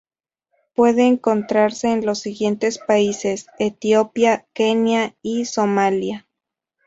Puede encontrarse en los siguientes países: Etiopía, Kenia y Somalia.